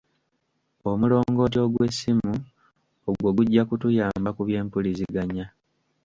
Omulongooti ogw'essimu ogwo gujja kutuyamba ku by'empuliziganya.